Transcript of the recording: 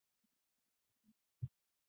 有研究将少孢根霉视为的变种。